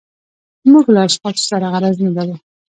موږ له اشخاصو سره غرض نه لرو.